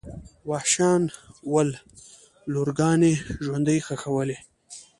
وحشیان ول لورګانې ژوندۍ ښخولې.